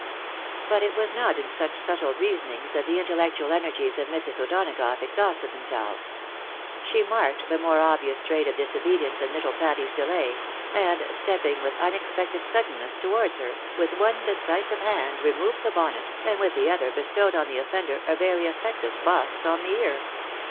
But it was not in such subtle reasonings that the intellectual energies of Mrs. O'Donagough exhausted themselves. She marked the more obvious trait of disobedience in httle Patty's delay ; and, stepping with unexpected suddenness towards her, with one decisive hand removed the bonnet, and with the other bestowed on the offender a very effective box on the ear.